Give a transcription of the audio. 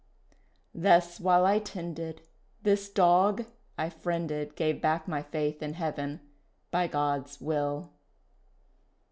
Thus while I tended This dog I friended Gave back my faith in Heaven by God's will.